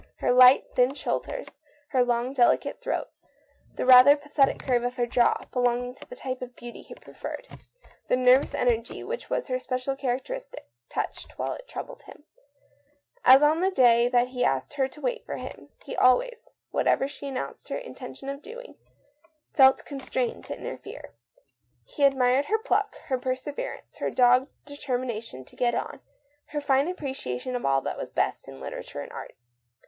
Her slight, thin shoul ders, her long, delicate throat, the rather pathetic curve of her jaw, belonged to the type of beauty he preferred. The nervous energy, which was her special characteristic, touched while it troubled him. As on the THE MAN RETURNS. 169 day that he asked her about the future, he always, whatever she announced her inten tion of doing, felt constrained to interfere. He admired her pluck, her perseverance, her dogged determination to get on, her fine appreciation of all that was best in literature and art.